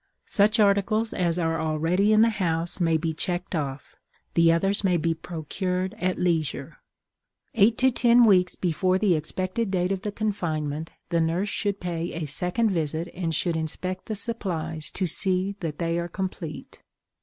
Such articles as are already in the house may be checked off; the others may be procured at leisure. Eight to ten weeks before the expected date of the confinement the nurse should pay a second visit and should inspect the supplies to see that they are complete.